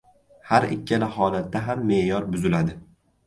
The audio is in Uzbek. Har ikkala holatda ham me’yor buziladi.